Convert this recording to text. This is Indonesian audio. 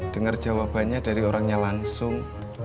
dengar jawabannya dari orangnya langsung